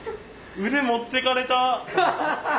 腕持ってかれた！